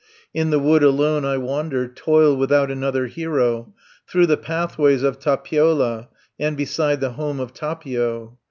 "In the wood alone I wander, Toil without another hero, Through the pathways of Tapiola, And beside the home of Tapio.